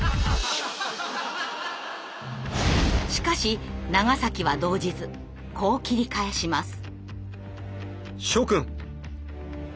しかし長は動じずこう切り返します。